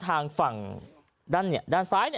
ทางฝั่งด้านซ้าย